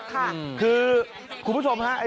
คุณผู้ชมฮะ